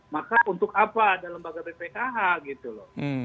maka untuk apa ada lembaga bpkh gitu loh